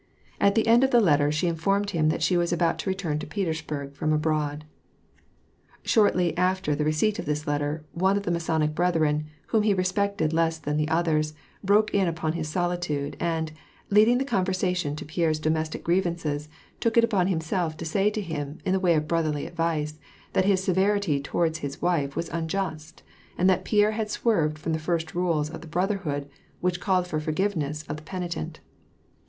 At the end of the letter, she informed him that she was about returning to Petersburg, from abroad. Shortly after the receipt of this letter, one of the Masonic brethren, whom he respected less than the others, broke in upon his solitude, and, leading the conversation to Pierre's domestic grievances, took it upon him to say to him, in the way of brotherly advice, that his severity toward his wife was unjust, and that Pierre had swerved from the first rules of the Brotherhood, which called for forgiveness of the penitent.